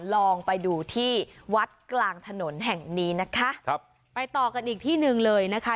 ลองไปดูที่วัดกลางถนนแห่งนี้นะคะครับไปต่อกันอีกที่หนึ่งเลยนะคะ